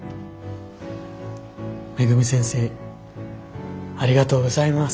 恵先生ありがとうございます。